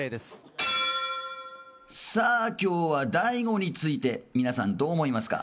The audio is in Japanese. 今日はＤＡＩＧＯについて皆さんどう思いますか？